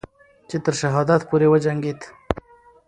چې تر شهادت پورې وجنگید